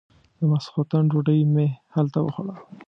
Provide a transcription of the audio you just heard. د ماسختن ډوډۍ مې هلته وخوړه.